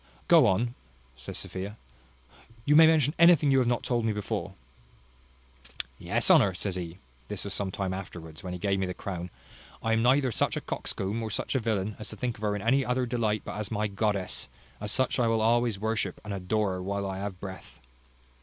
"Go on," says Sophia; "you may mention anything you have not told me before." "Yes, Honour, says he (this was some time afterwards, when he gave me the crown), I am neither such a coxcomb, or such a villain, as to think of her in any other delight but as my goddess; as such I will always worship and adore her while I have breath.